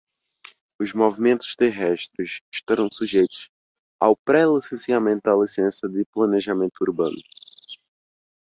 Os movimentos terrestres estarão sujeitos ao pré-licenciamento da licença de planejamento urbano.